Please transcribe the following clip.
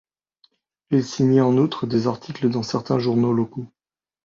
Il signait en outre des articles dans certains journaux locaux.